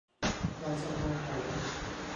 บ้านช่องห้องหอ